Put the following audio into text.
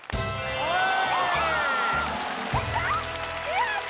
やった！